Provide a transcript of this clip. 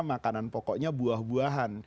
makanan pokoknya buah buahan